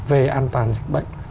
về an toàn dịch bệnh